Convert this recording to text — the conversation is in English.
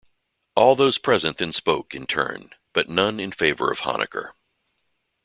All those present then spoke, in turn, but none in favour of Honecker.